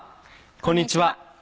こんにちは。